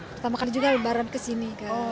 pertama kali juga lebaran ke sini